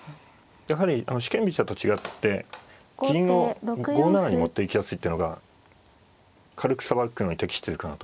やはり四間飛車と違って銀を５七に持っていきやすいってのが軽くさばくのに適してるかなと。